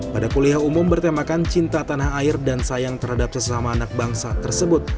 pada kuliah umum bertemakan cinta tanah air dan sayang terhadap sesama anak bangsa tersebut